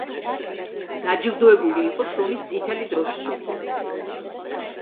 დაჯილდოვებული იყო შრომის წითელი დროშის ორდენით.